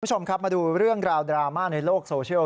คุณผู้ชมครับมาดูเรื่องราวดราม่าในโลกโซเชียล